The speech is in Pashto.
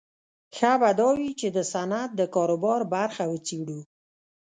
ښه به دا وي چې د صنعت د کاروبار برخه وڅېړو